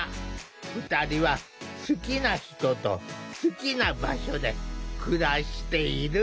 ２人は好きな人と好きな場所で暮らしている。